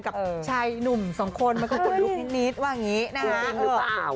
กับชายหนุ่มสองคนไม่ควรลุกนิดว่าอย่างนี้นะฮะ